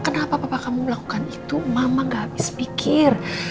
kenapa papa kamu melakukan itu mama ga abis pikir